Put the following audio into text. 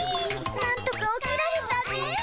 なんとか起きられたね。